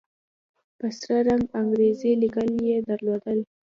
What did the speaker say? په سره رنگ انګريزي ليکل يې درلودل.